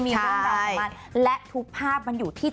มีเรื่องราวของมันและทุกภาพมันอยู่ที่